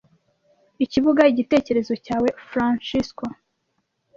Ikibuga. Igitekerezo cyawe, Francesco,